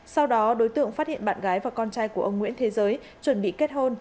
sau đó đối tượng phát hiện bạn gái và con trai của ông nguyễn thế giới chuẩn bị kết hôn